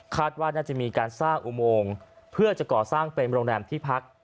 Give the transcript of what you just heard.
ว่าน่าจะมีการสร้างอุโมงเพื่อจะก่อสร้างเป็นโรงแรมที่พัก